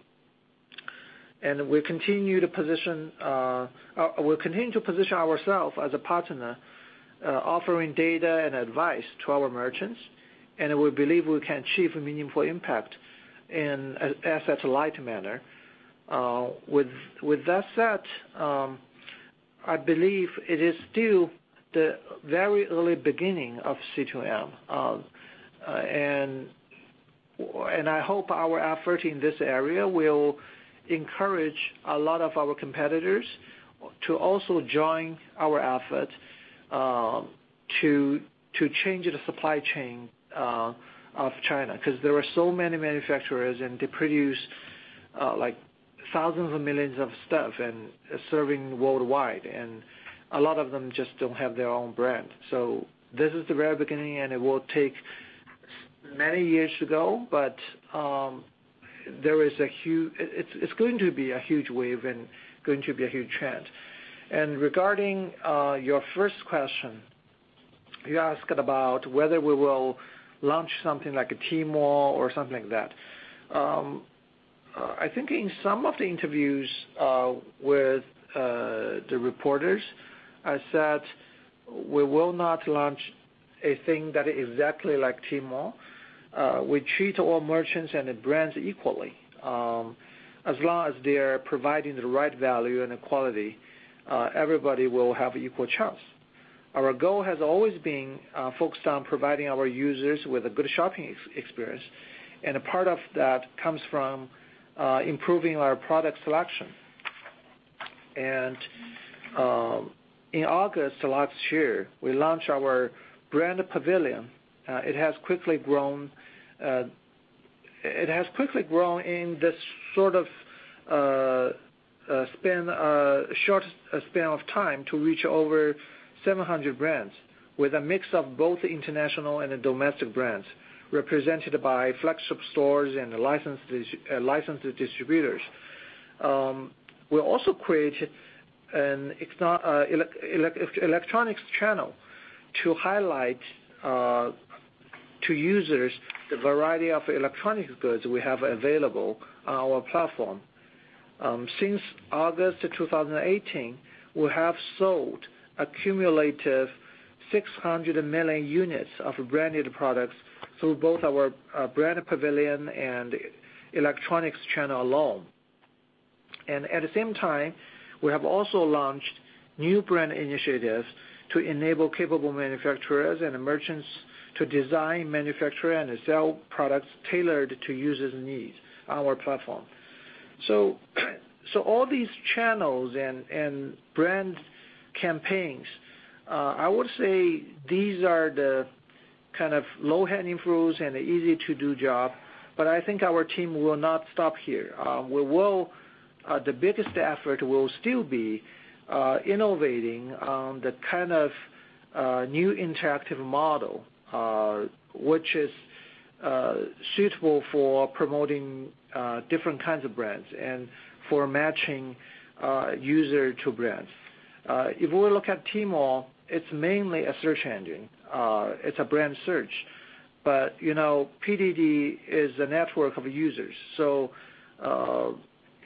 We're continuing to position ourself as a partner, offering data and advice to our merchants, we believe we can achieve a meaningful impact in asset light manner. With that said, I believe it is still the very early beginning of C2M, I hope our effort in this area will encourage a lot of our competitors to also join our effort to change the supply chain of China. 'Cause there are so many manufacturers, and they produce, like, thousands of millions of stuff and serving worldwide, and a lot of them just don't have their own brand. This is the very beginning, and it will take many years to go, but there is a huge, it's going to be a huge wave and going to be a huge trend. Regarding your first question, you asked about whether we will launch something like a Tmall or something like that. I think in some of the interviews with the reporters, I said we will not launch a thing that is exactly like Tmall. We treat all merchants and the brands equally. As long as they are providing the right value and the quality, everybody will have equal chance. Our goal has always been focused on providing our users with a good shopping experience, and a part of that comes from improving our product selection. In August of last year, we launched our Brand Pavilion. It has quickly grown in this sort of span, short span of time to reach over 700 brands with a mix of both international and domestic brands represented by flagship stores and licensed distributors. We also created an electronics channel to highlight to users the variety of electronic goods we have available on our platform. Since August of 2018, we have sold accumulative 600 million units of branded products through both our Brand Pavilion and electronics channel alone. At the same time, we have also launched New Brand Initiative to enable capable manufacturers and merchants to design, manufacture and sell products tailored to users' needs on our platform. All these channels and brand campaigns, I would say these are the kind of low-hanging fruits and easy-to-do job, but I think our team will not stop here. We will, the biggest effort will still be innovating, the kind of new interactive model, which is suitable for promoting different kinds of brands and for matching user to brands. If we look at Tmall, it's mainly a search engine. It's a brand search. You know, PDD is a network of users, so,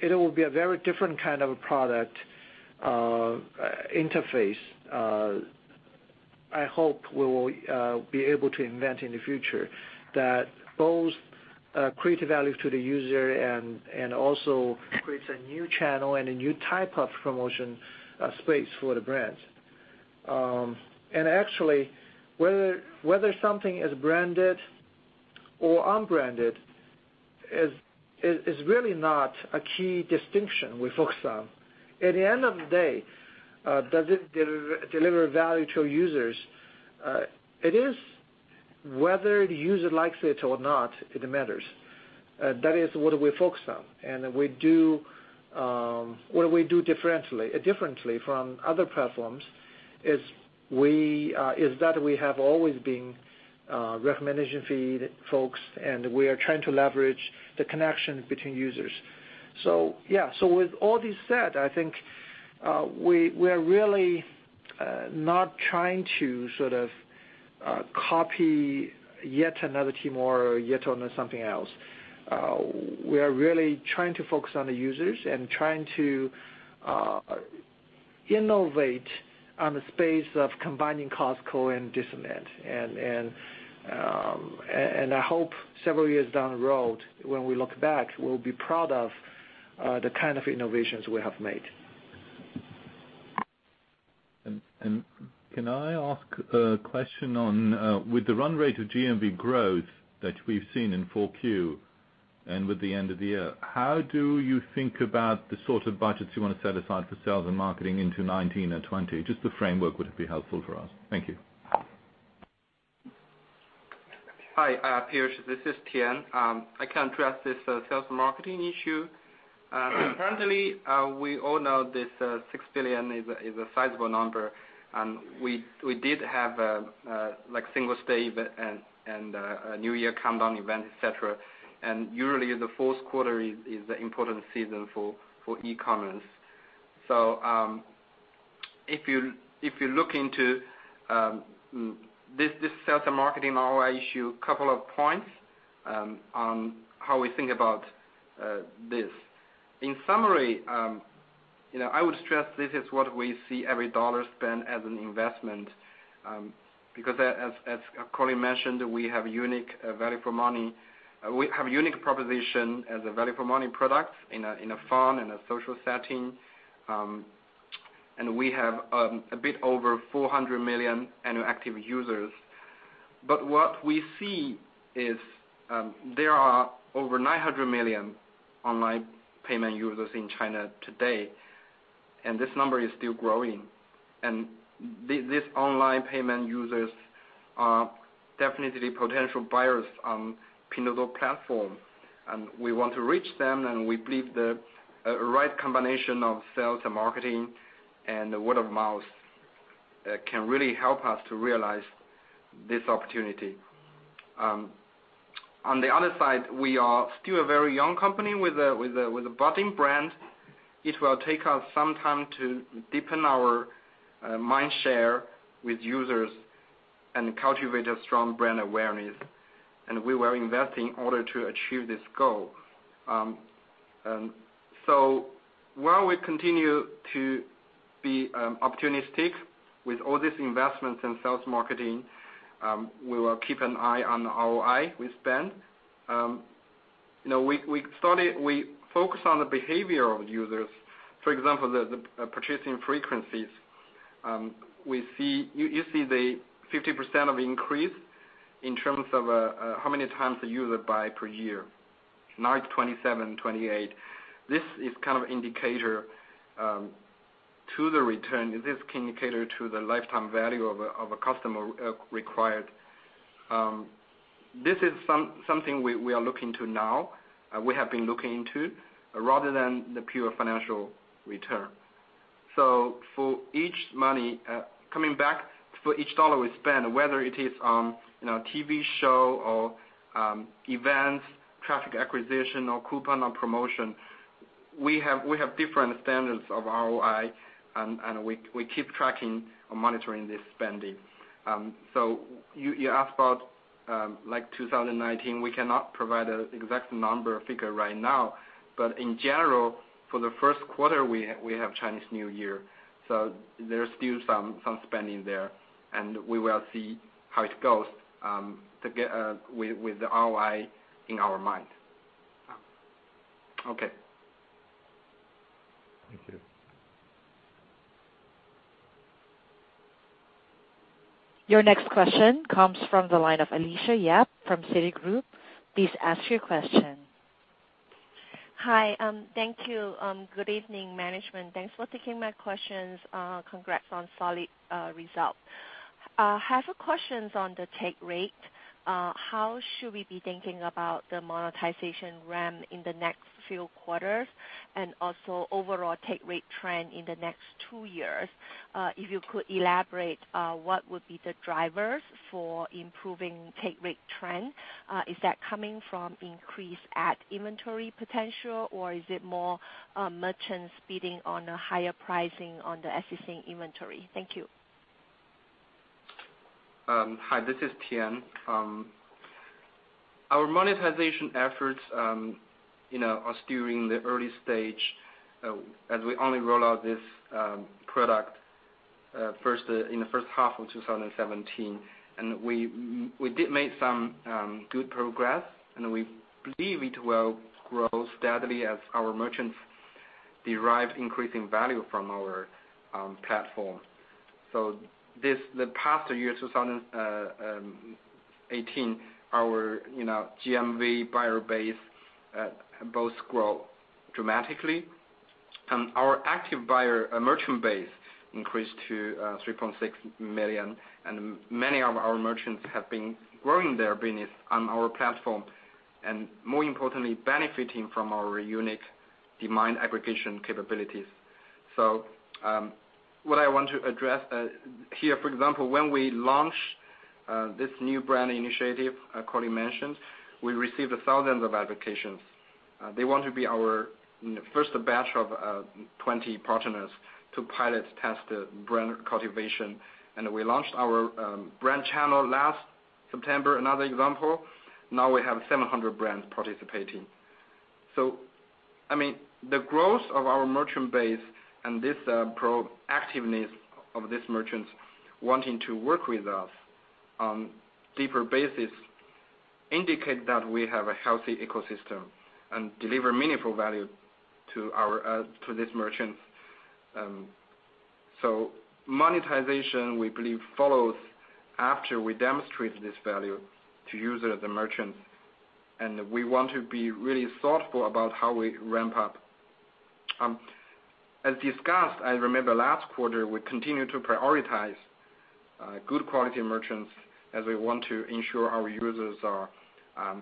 it will be a very different kind of a product interface, I hope we will be able to invent in the future that both create value to the user and also creates a new channel and a new type of promotion space for the brands. Actually, whether something is branded or unbranded is really not a key distinction we focus on. At the end of the day, does it deliver value to our users? It is whether the user likes it or not, it matters. That is what we focus on. What we do differently from other platforms is that we have always been recommendation feed focused, and we are trying to leverage the connection between users. Yeah. With all this said, I think we're really not trying to sort of copy yet another Tmall or yet another something else. We are really trying to focus on the users and trying to innovate on the space of combining Costco and Disneyland. I hope several years down the road when we look back, we'll be proud of the kind of innovations we have made. Can I ask a question on, with the run rate of GMV growth that we've seen in 4Q and with the end of the year, how do you think about the sort of budgets you wanna set aside for sales and marketing into 2019 and 2020? Just the framework would be helpful for us. Thank you. Hi, Piyush, this is Tian. I can address this sales and marketing issue. Apparently, we all know this 6 billion is a sizable number. We did have like Singles' Day and New Year Countdown event, et cetera. Usually the fourth quarter is the important season for e-commerce. If you look into this sales and marketing ROI issue, couple of points on how we think about this. In summary, you know, I would stress this is what we see every dollar spent as an investment, as Colin mentioned, we have unique value for money. We have unique proposition as a value for money product in a fun and a social setting. We have a bit over 400 million annual active users. What we see is there are over 900 million online payment users in China today, and this number is still growing. This online payment users are definitely potential buyers on Pinduoduo platform, and we want to reach them, and we believe the right combination of sales and marketing and word of mouth can really help us to realize this opportunity. On the other side, we are still a very young company with a budding brand. It will take us some time to deepen our mind share with users and cultivate a strong brand awareness, and we are investing in order to achieve this goal. While we continue to be opportunistic with all these investments in sales marketing, we will keep an eye on the ROI we spend. You know, we focus on the behavior of users. For example, the purchasing frequencies. We see You see the 50% of increase in terms of how many times a user buy per year, 9, 27, 28. This is kind of indicator to the return. This indicator to the lifetime value of a customer required. This is something we are looking to now, we have been looking into, rather than the pure financial return. For each money, coming back, for each dollar we spend, whether it is on, you know, TV show or events, traffic acquisition or coupon or promotion, we have different standards of ROI and we keep tracking or monitoring this spending. You asked about like 2019. We cannot provide a exact number or figure right now. In general, for the first quarter, we have Chinese New Year, there's still some spending there, we will see how it goes with the ROI in our mind. Okay. Thank you. Your next question comes from the line of Alicia Yap from Citigroup. Please ask your question. Hi. Thank you. Good evening, management. Thanks for taking my questions. Congrats on solid result. I have a question on the take rate. How should we be thinking about the monetization ramp in the next few quarters, and also overall take rate trend in the next two years? If you could elaborate, what would be the drivers for improving take rate trend? Is that coming from increased ad inventory potential, or is it more merchants bidding on a higher pricing on the existing inventory? Thank you. Hi, this is Tian. Our monetization efforts, you know, are still in the early stage, as we only roll out this product first in the first half of 2017. We did make some good progress, and we believe it will grow steadily as our merchants derive increasing value from our platform. The past year, 2018, our, you know, GMV buyer base both grow dramatically. Our active buyer merchant base increased to 3.6 million, and many of our merchants have been growing their business on our platform, and more importantly, benefiting from our unique demand aggregation capabilities. What I want to address here, for example, when we launched this New Brand Initiative, Colin Huang mentioned, we received thousands of applications. They want to be our first batch of 20 partners to pilot test the brand cultivation. We launched our brand channel last September, another example. Now we have 700 brands participating. I mean, the growth of our merchant base and this proactiveness of these merchants wanting to work with us on deeper basis, indicate that we have a healthy ecosystem and deliver meaningful value to our to these merchants. Monetization, we believe, follows after we demonstrate this value to user, the merchants, and we want to be really thoughtful about how we ramp up. As discussed, I remember last quarter, we continued to prioritize good quality merchants as we want to ensure our users are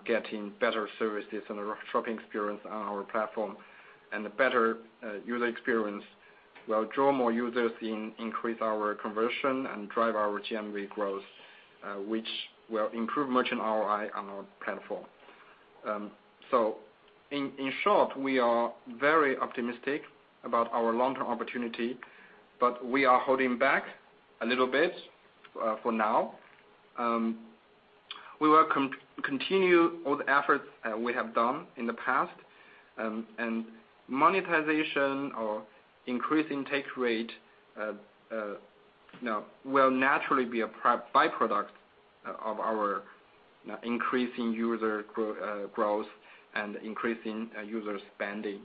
getting better services and a shopping experience on our platform. The better user experience will draw more users in, increase our conversion, and drive our GMV growth, which will improve merchant ROI on our platform. In short, we are very optimistic about our long-term opportunity, but we are holding back a little bit for now. We will continue all the efforts we have done in the past. Monetization or increase in take rate, you know, will naturally be a byproduct of our increasing user growth and increasing user spending.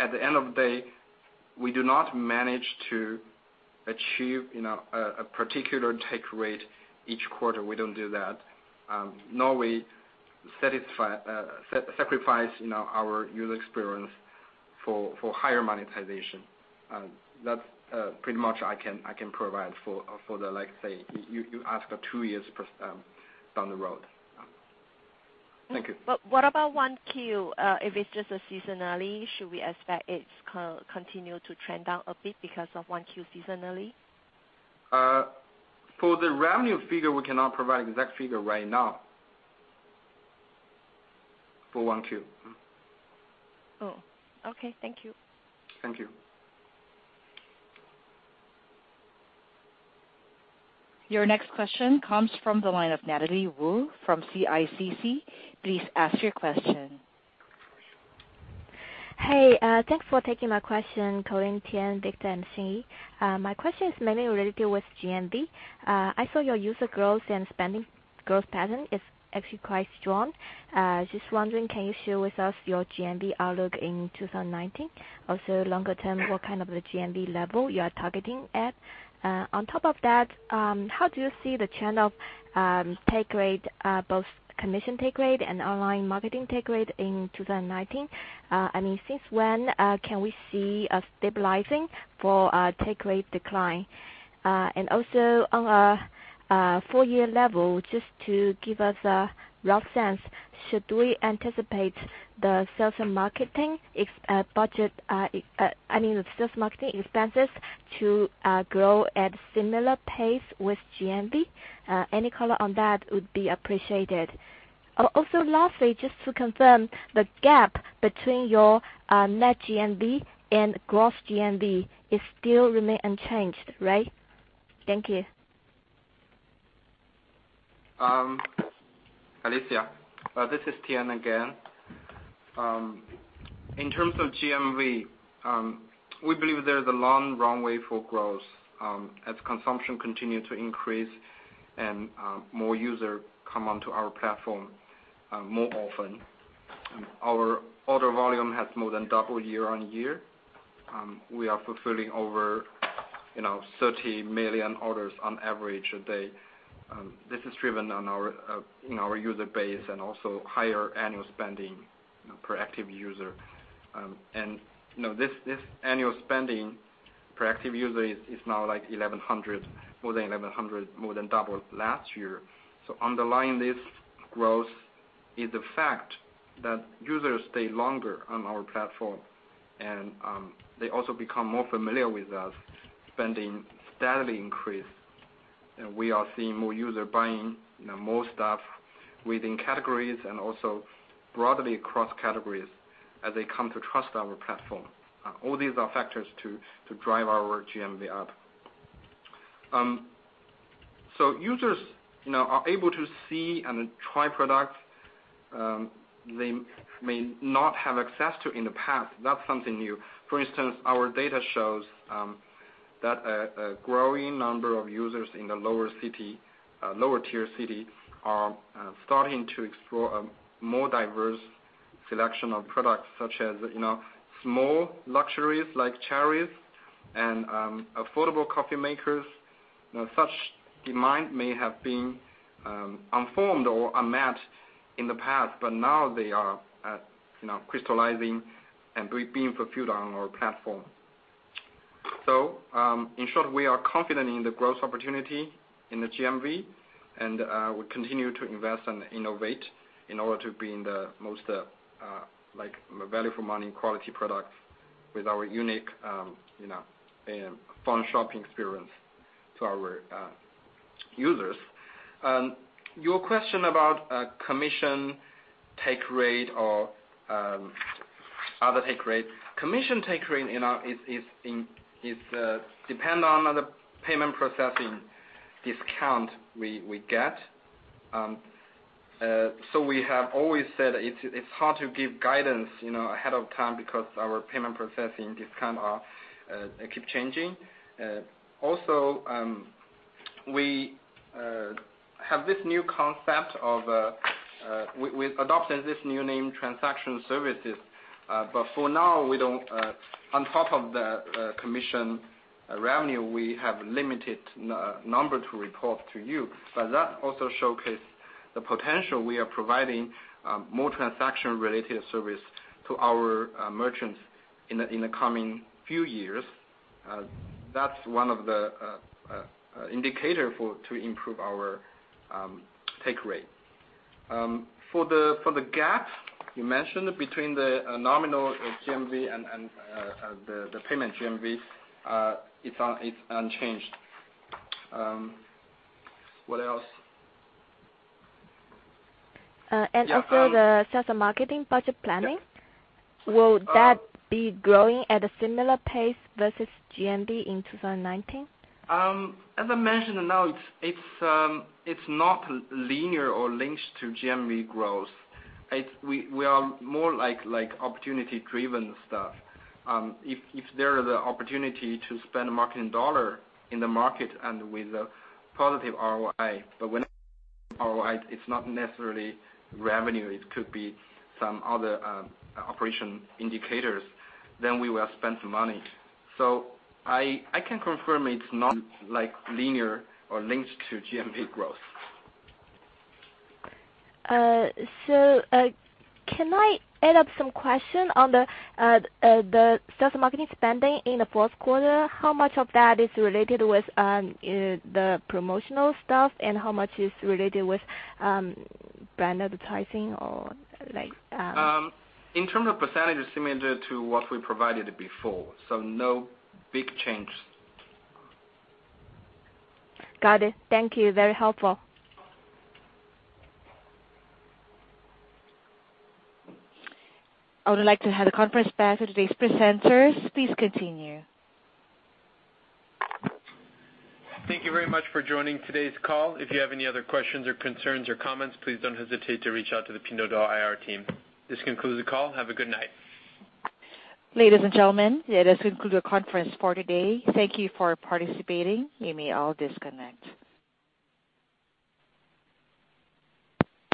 At the end of the day, we do not manage to achieve, you know, a particular take rate each quarter. We don't do that. Nor we satisfy sacrifice, you know, our user experience for higher monetization. That's pretty much I can provide for the, like, say, you ask for two years per trend, down the road. Thank you. What about 1Q? If it's just a seasonally, should we expect it's continue to trend down a bit because of 1Q seasonally? For the revenue figure, we cannot provide exact figure right now for 1Q. Oh, okay. Thank you. Thank you. Your next question comes from the line of Natalie Wu from CICC. Please ask your question. Thanks for taking my question, Colin, Tian, Victor, and Xinyi. My question is mainly related with GMV. I saw your user growth and spending growth pattern is actually quite strong. Just wondering, can you share with us your GMV outlook in 2019? Longer term, what kind of a GMV level you are targeting at? On top of that, how do you see the trend of take rate, both commission take rate and online marketing take rate in 2019? I mean, since when can we see a stabilizing for a take rate decline? On a full year level, just to give us a rough sense, should we anticipate the sales and marketing expenses to grow at similar pace with GMV? Any color on that would be appreciated. Lastly, just to confirm the gap between your net GMV and gross GMV is still remain unchanged, right? Thank you. Alicia, this is Tian again. In terms of GMV, we believe there's a long runway for growth, as consumption continue to increase and more user come onto our platform, more often. Our order volume has more than doubled year on year. We are fulfilling over, you know, 30 million orders on average a day. This is driven on our, you know, our user base and also higher annual spending, you know, per active user. And you know, this annual spending per active user is now like 1,100, more than 1,100, more than double last year. Underlying this growth is the fact that users stay longer on our platform and they also become more familiar with us, spending steadily increase. We are seeing more user buying, you know, more stuff within categories and also broadly across categories as they come to trust our platform. All these are factors to drive our GMV up. Users, you know, are able to see and try product, they may not have access to in the past. That's something new. For instance, our data shows that a growing number of users in the lower city, lower tier city are starting to explore a more diverse selection of products such as, you know, small luxuries like cherries and affordable coffee makers. You know, such demand may have been unformed or unmet in the past, now they are at, you know, crystallizing and being fulfilled on our platform. In short, we are confident in the growth opportunity in the GMV, and we continue to invest and innovate in order to be in the most value for money quality product with our unique fun shopping experience to our users. Your question about commission take rate or other take rate. Commission take rate is depend on the payment processing discount we get. We have always said it's hard to give guidance ahead of time because our payment processing discount are keep changing. Also, we have this new concept of, we've adopted this new name, transaction services. For now, on top of the commission revenue, we have limited number to report to you. That also showcase the potential we are providing more transaction-related service to our merchants in the coming few years. That's one of the indicator for, to improve our take rate. For the, for the gap you mentioned between the nominal GMV and the payment GMV, it's unchanged. What else? Uh, and also- Yeah. the sales and marketing budget planning. Yeah. Will that be growing at a similar pace versus GMV in 2019? As I mentioned now, it's not linear or linked to GMV growth. We are more like opportunity-driven stuff. If there is an opportunity to spend marketing dollar in the market and with a positive ROI. When ROI, it's not necessarily revenue, it could be some other operation indicators, then we will spend the money. I can confirm it's not like linear or linked to GMV growth. Can I add up some question on the sales and marketing spending in the fourth quarter? How much of that is related with the promotional stuff and how much is related with brand advertising? In terms of percentage, similar to what we provided before. No big change. Got it. Thank you. Very helpful. I would like to hand the conference back to today's presenters. Please continue. Thank you very much for joining today's call. If you have any other questions or concerns or comments, please don't hesitate to reach out to the Pinduoduo IR team. This concludes the call. Have a good night. Ladies and gentlemen, that does conclude our conference for today. Thank you for participating. You may all disconnect.